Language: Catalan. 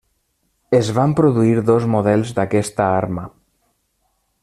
Es van produir dos models d'aquesta arma.